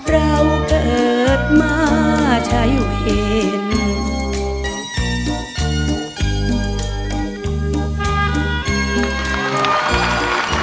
เราเกิดมาใช้เวทย์